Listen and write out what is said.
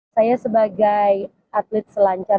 saya sebagai atlet selancar